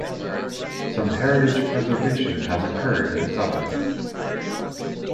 Some heritage preservation has occurred in the suburb.